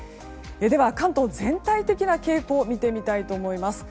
では関東、全体的な傾向を見てみたいと思います。